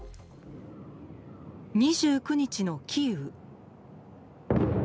２９日のキーウ。